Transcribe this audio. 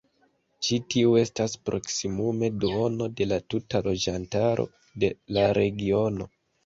Ĉi tiu estas proksimume duono da la tuta loĝantaro de la regiono.